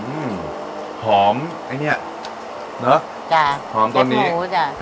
อืมหอมไอ้เนี้ยเนอะจ้ะหอมต้นนี้หมูจ้ะ